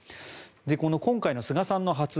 この今回の菅さんの発言